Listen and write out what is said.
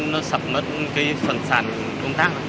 nó sập mất phần sàn công tác